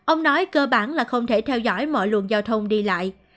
ông nói cơ bản là không thể theo dõi mọi luồng giao thông đi lại